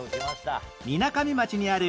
みなかみ町にある